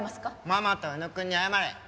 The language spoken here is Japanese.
ママと浮野くんに謝れ。